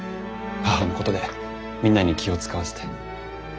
母のことでみんなに気を遣わせて。